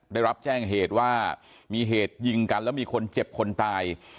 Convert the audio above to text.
ได้รับแจ้งเหตุว่ามีเหตุยิงกันแล้วมีคนเจ็บคนตาย